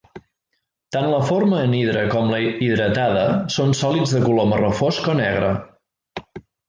Tant la forma anhidra com la hidratada són sòlids de color marró fosc o negre.